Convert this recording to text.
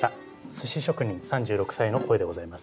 寿司職人３６歳の声でございます。